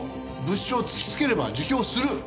物証を突きつければ自供する。